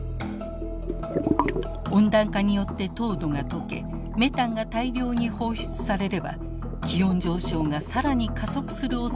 温暖化によって凍土がとけメタンが大量に放出されれば気温上昇が更に加速するおそれがあるのです。